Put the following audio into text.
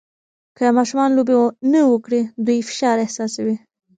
که ماشومان لوبې نه وکړي، دوی فشار احساسوي.